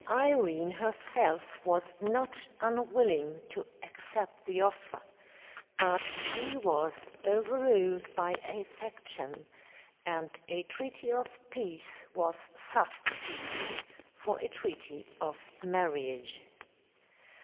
Irene herself was not unwilling to accept the offer; but she was overruled by a faction, and a treaty of peace was substituted for a treaty of marriage.